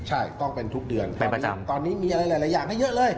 ใช่ต้องเป็นทุกเดือนตอนนี้มีหลายอย่างให้เยอะเลย